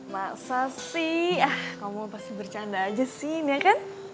maksa sih ah kamu pasti bercanda aja sih ini ya kan